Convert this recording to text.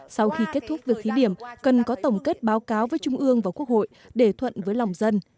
sau khi kết thúc việc thí điểm cần có tổng kết báo cáo với trung ương và quốc hội để thuận với lòng dân